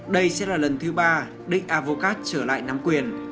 đây sẽ là lần thứ ba dick advocat trở lại nắm quyền